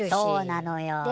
そうなのよ。